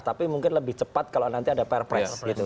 tapi mungkin lebih cepat kalau nanti ada perpres gitu